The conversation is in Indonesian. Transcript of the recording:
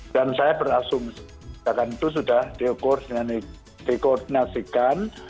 dan saya berasumsi kebijakan itu sudah diokursi dan dikoordinasikan